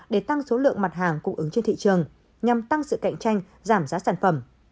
để tăng số lượng mặt hàng cung ứng trên thị trường nhằm tăng sự cạnh tranh giảm giá sản phẩm